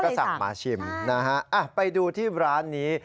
ก็สั่งมาชิมนะฮะไปดูที่ร้านนี้